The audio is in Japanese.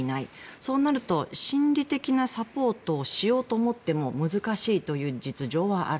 そうなると、心理的なサポートをしようと思っても難しいという実情はある。